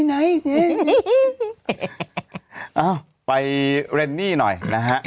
นะอ๋อไปหน่อยนะฮะ